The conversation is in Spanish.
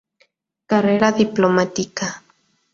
Carrera diplomática.